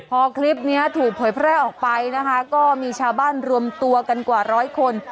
พอคลิปนี้ถูกเผยแพร่ออกไปนะคะก็มีชาวบ้านรวมตัวกันกว่าร้อยคน